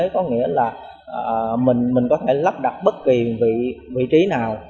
có nghĩa là mình có thể lắp đặt bất kỳ vị trí nào